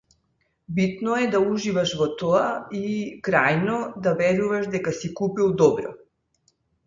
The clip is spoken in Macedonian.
Битно е да уживаш во тоа и, крајно, да веруваш дека си купил добро.